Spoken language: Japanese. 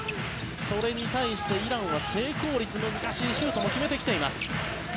それに対して、イランは成功率難しいシュートも決めてきています。